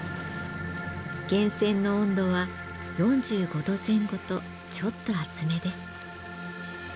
源泉の温度は４５度前後とちょっと熱めです。